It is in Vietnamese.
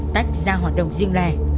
tách ra hoạt động riêng lè